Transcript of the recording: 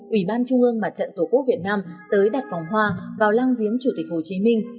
ủy ban trung ương mặt trận tổ quốc việt nam tới đặt vòng hoa vào lang viếng chủ tịch hồ chí minh